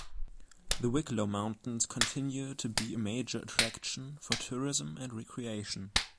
The Wicklow Mountains continue to be a major attraction for tourism and recreation.